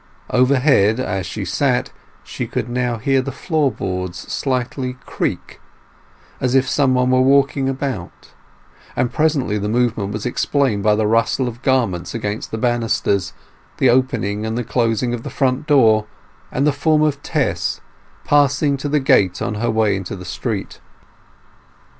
Overhead, as she sat, she could now hear the floorboards slightly creak, as if some one were walking about, and presently the movement was explained by the rustle of garments against the banisters, the opening and the closing of the front door, and the form of Tess passing to the gate on her way into the street.